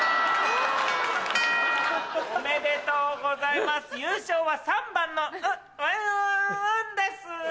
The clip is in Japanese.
おめでとうございます優勝は３番の「ウウゥ」です！